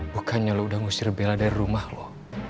bukannya lo udah ngusir bella dari rumah lo